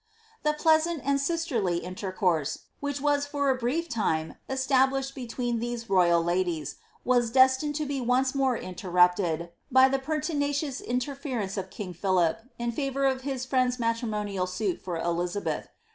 The pleasant and sisterly intercourse, which was for a brief time established between these royal ladies, was destined to be once more interrupted, by the pertinacious interference of king Philip, in favour of his friend's matrimonial suit for Elizabeth.